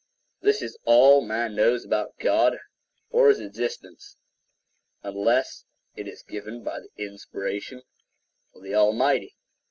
This is all man knows about God or his existence, unless it is given by the inspiration of the Almighty.